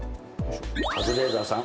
カズレーザーさん